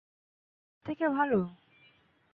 আমারটা থেকে ভালো?